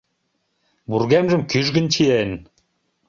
Вургемжым кӱжгын чиен.